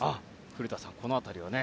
古田さん、この辺りはね。